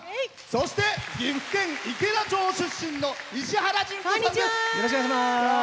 そして、岐阜県池田町出身の石原詢子さんです。